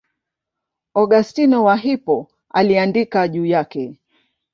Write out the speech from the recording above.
Augustino wa Hippo aliandika juu yake.